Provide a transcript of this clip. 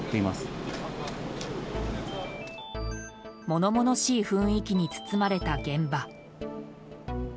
物々しい雰囲気に包まれた現場。